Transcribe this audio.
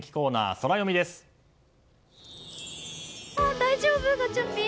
大丈夫、ガチャピン？